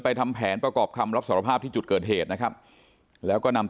ไปทำแผนประกอบคำรับสารภาพที่จุดเกิดเหตุนะครับ